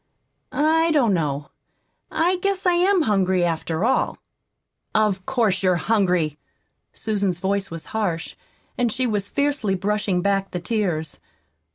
I don't know I guess I am hungry, after all." "Of course you're hungry!" Susan's voice was harsh, and she was fiercely brushing back the tears.